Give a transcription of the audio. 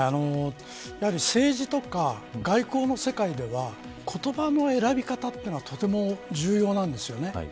政治とか外交の世界では言葉の選び方というのがとても重要なんですよね。